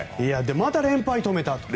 また連敗を止めたと。